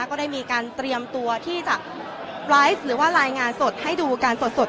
ก็ได้มีการเตรียมตัวที่จะไลฟ์หรือว่ารายงานสดให้ดูกันสด